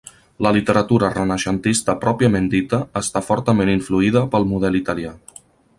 La literatura renaixentista pròpiament dita està fortament influïda pel model italià.